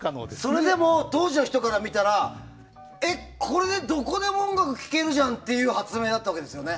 それでも当時の人から見たらえっ、これでどこでも音楽聴けるじゃん！って発明だったわけですね。